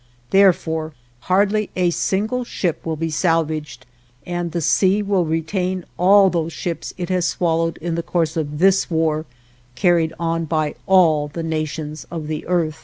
Therefore hardly a single ship will be salvaged, and the sea will retain all those ships it has swallowed in the course of this war carried on by all the nations of the earth.